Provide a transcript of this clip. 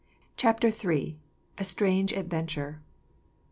Chapter 3: A Strange Adventure.